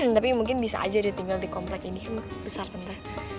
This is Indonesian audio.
tapi mungkin bisa aja dia tinggal di komplek ini besar rendah